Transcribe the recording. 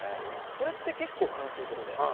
それって結構、悲しいことで。